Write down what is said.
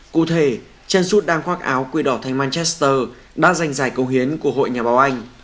cụ thể chân trút đang khoác áo quy đỏ thành manchester đã giành giải công hiến của hội nhà báo anh